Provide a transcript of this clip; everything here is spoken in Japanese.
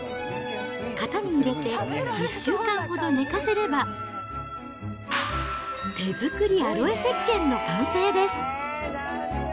型に入れて１週間ほど寝かせれば、手作りアロエせっけんの完成です。